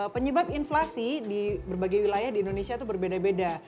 penyebab inflasi di berbagai wilayah di indonesia itu berbeda beda